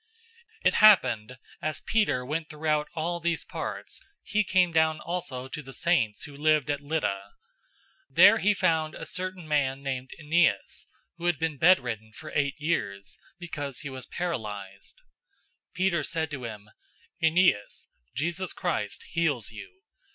009:032 It happened, as Peter went throughout all those parts, he came down also to the saints who lived at Lydda. 009:033 There he found a certain man named Aeneas, who had been bedridden for eight years, because he was paralyzed. 009:034 Peter said to him, "Aeneas, Jesus Christ heals you.